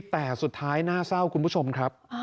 แต่สุดท้ายน่าเศร้าคุณผู้ชมครับ